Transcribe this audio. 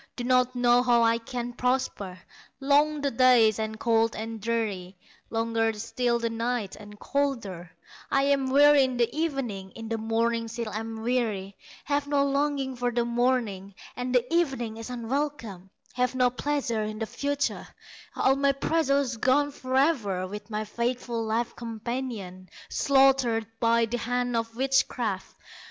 Do not know how I can prosper; Long the days, and cold, and dreary, Longer still the nights, and colder; I am weary in the evening, In the morning still am weary, Have no longing for the morning, And the evening is unwelcome; Have no pleasure in the future, All my pleasures gone forever, With my faithful life companion Slaughtered by the hand of witchcraft!